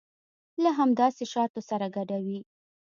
له همداسې شاتو سره ګډوي.